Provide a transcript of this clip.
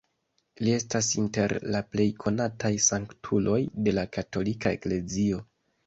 Li estas inter la plej konataj sanktuloj de la katolika eklezio.